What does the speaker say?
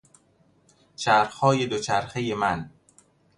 چرخهای دوچرخهی من